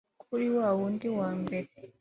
kuri wa wundi wa mbere